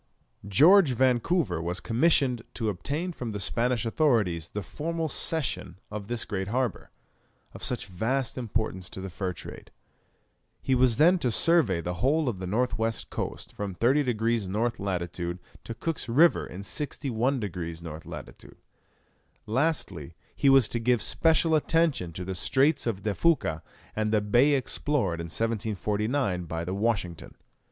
George Vancouver was commissioned to obtain from the Spanish authorities the formal cession of this great harbour, of such vast importance to the fur trade. He was then to survey the whole of the north west coast, from 30 degrees N. lat. to Cook's River in 61 degrees N. lat. Lastly, he was to give special attention to the Straits of De Fuca and the bay explored in 1749 by the Washington.